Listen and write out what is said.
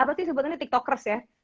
apa sih sebetulnya tiktokers ya